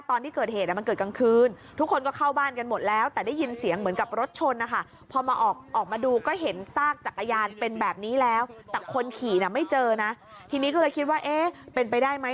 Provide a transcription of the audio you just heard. ตอนที่เกิดเหตุมันเกิดกลางคืน